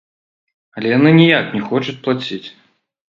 Але яны ніяк не хочуць плаціць.